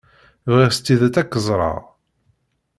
Bɣiɣ s tidet ad k-ẓreɣ.